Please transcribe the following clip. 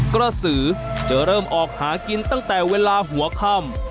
กระสือจะเริ่มออกหากินตั้งแต่เวลาหัวค่ำ